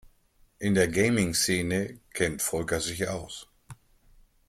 In der Gaming-Szene kennt Volker sich aus.